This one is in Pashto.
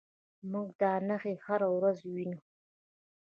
موږ دا نښې هره ورځ وینو.